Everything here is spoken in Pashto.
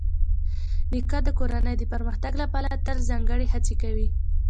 نیکه د کورنۍ د پرمختګ لپاره تل ځانګړې هڅې کوي.